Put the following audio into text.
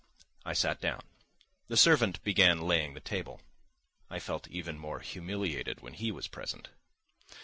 I sat down; the servant began laying the table; I felt even more humiliated when he was present.